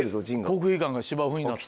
国技館が芝生になって。